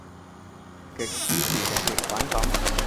極支持同極反感